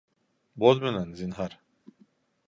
Боҙ менән, зинһар